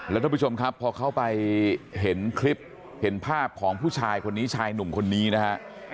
แล้วท่านผู้ชมครับพอเขาไปเห็นคลิปเห็นภาพของผู้ชายคนนี้ชายหนุ่มคนนี้นะฮะ